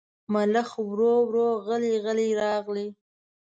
ملخ ورو ورو غلی غلی راغی.